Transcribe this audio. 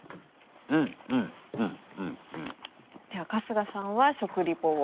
では春日さんは食リポを。